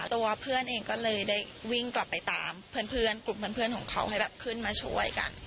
ตัวเพื่อนเองก็เลยได้วิ่งกลับไปตามเพื่อนกลุ่มเพื่อนของเขาให้แบบขึ้นมาช่วยกัน